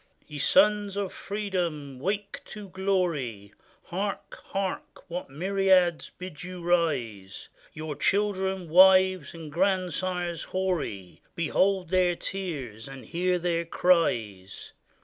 ] Ye sons of freedom, wake to glory! Hark ! hark ! what myriads bid you rise ! Your children, wives, and grandsires hoary. Behold their tears and hear their cries!